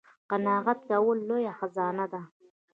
قناعت کول لویه خزانه ده